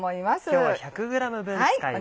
今日は１００ｇ分使います。